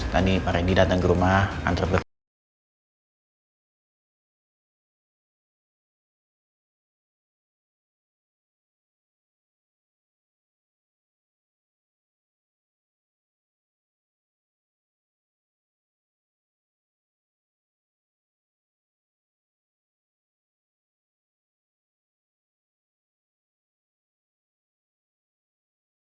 tadi pak randy datang ke rumah hantar surat